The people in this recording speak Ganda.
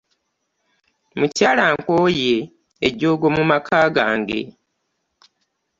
Mukyala, nkooye ejjooga mu maka gange.